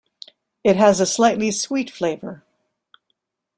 It has a slightly sweet flavor.